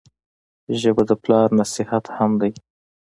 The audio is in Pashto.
ژبه د پلار نصیحت هم دی